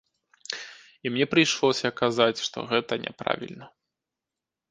І мне прыйшлося казаць, што гэта няправільна.